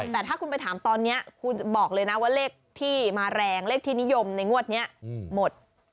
แต่ถ้าคุณไปถามตอนนี้คุณบอกเลยนะว่าเลขที่มาแรงเลขที่นิยมในงวดนี้หมด